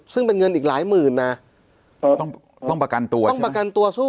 ซึ่งเป็นเงินอีกหลายหมื่นนะต้องต้องประกันตัวต้องประกันตัวสู้